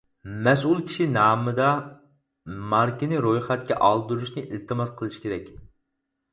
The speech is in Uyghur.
مەسئۇل كىشى نامىدا ماركىنى رويخەتكە ئالدۇرۇشنى ئىلتىماس قىلىشى كېرەك.